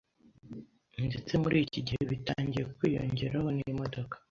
ndetse muri iki gihe bitangiye kwiyongeraho n’imodoka